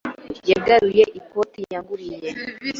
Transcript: Yagaruye ikoti yangurije.